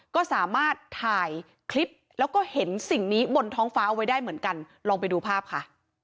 ก็สามารถถ่ายคลิปแล้วก็เห็นสิ่งนี้บนท้องฟ้าเอาไว้ได้เหมือนกันลองไปดูภาพค่ะ